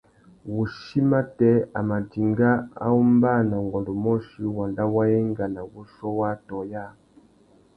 Wuchí matê, a mà dinga a ombāna ungôndômôchï wanda wa enga nà wuchiô wa atõh yâā.